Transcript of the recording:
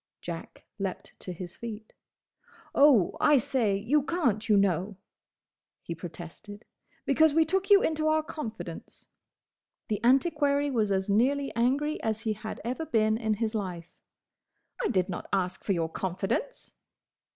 Jack leapt to his feet. "Oh, I say, you can't, you know!" he protested, "because we took you into our confidence!" The antiquary was as nearly angry as he had ever been in his life. "I did not ask for your confidence!"